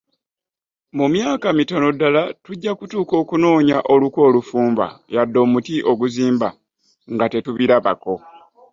Mu myaka mitono ddala tujja kutuuka okunoonya oluku olufumba yadde omuti oguzimba nga tetubirabako.